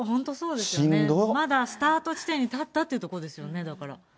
まだスタート地点に立ったというところですよね、だから。